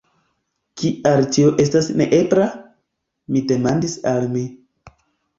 "Kial tio estas neebla?" mi demandis al mi.